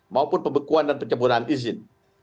maupun pembekuan dan pencemburan izin